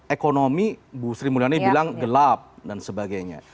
ekonomi bu sri mulyani bilang gelap dan sebagainya